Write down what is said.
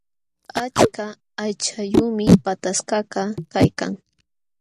Achka aychayuqmi pataskakaq kaykan.